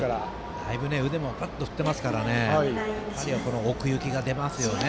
だいぶ腕も振ってますから奥行きが出ますよね。